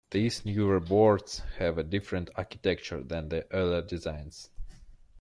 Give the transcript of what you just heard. These newer boards have a different architecture than the earlier designs.